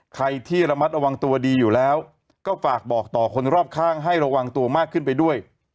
ใครที่ระมัดระวังตัวดีอยู่แล้วก็ฝากบอกต่อคนรอบข้างให้ระวังตัวมากขึ้นไปด้วย